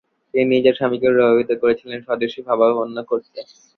তিনি নিজের স্বামীকে প্রভাবিত করেছিলেন স্বদেশীভাবাপন্ন করতে।